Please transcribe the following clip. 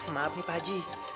maaf nih pak ji